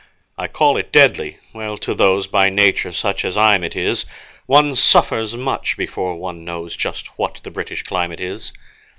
I call it deadly: well, to those By nature such as I'm, it is. One suffers much before one knows Just what the British climate is.